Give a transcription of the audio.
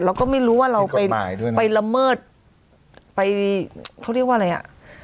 เราก็ไม่รู้ว่าเราเป็นมีกฎหมายด้วยนะไปละเมิดไปเขาเรียกว่าอะไรอ่ะ